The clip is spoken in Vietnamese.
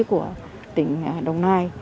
của tỉnh đồng nai